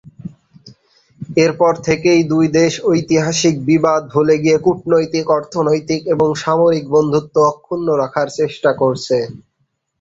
এরপর থেকেই দুই দেশ ঐতিহাসিক বিবাদ ভুলে গিয়ে কূটনৈতিক, অর্থনৈতিক এবং সামরিক বন্ধুত্ব অক্ষুণ্ণ রাখার চেষ্টা করছে।